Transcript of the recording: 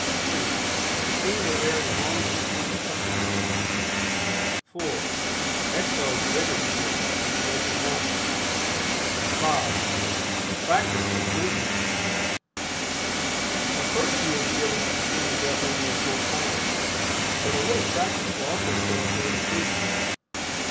(3) Retain the air as long as you can comfortably. (4) Exhale vigorously through the open mouth. (5) Practice the Cleansing Breath. At first you will be able to retain the breath only a short time, but a little practice will also show a great improvement.